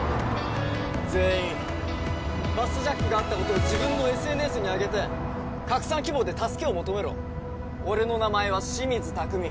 全員バスジャックがあったことを自分のＳＮＳにあげて拡散希望で助けを求めろ俺の名前は清水拓海